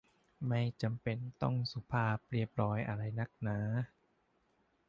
ไม่จำเป็นต้องสุภาพเรียบร้อยอะไรนักหนา